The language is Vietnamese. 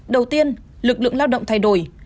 đầu tiên lực lượng lao động thay đổi